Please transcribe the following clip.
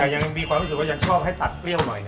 ยังมีความรู้สึกว่ายังชอบให้ตัดเปรี้ยวหน่อย